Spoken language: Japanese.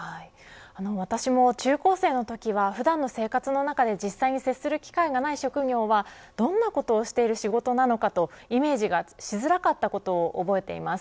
私も中高生のときは普段の生活の中で実際に接する機会がない職業はどんなことをしている仕事なのかとイメージがしづらかったことを覚えています。